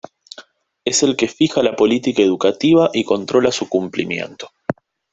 Es el que fija la política educativa y controla su cumplimiento.